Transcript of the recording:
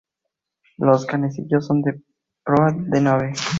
Los canecillos son de proa de nave.